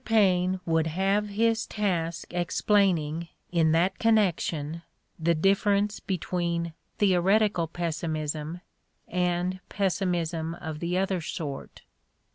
Paine would have his task explaining, in that connection, the dif ference between "theoreticar' pessimism and pessimism of the other sort!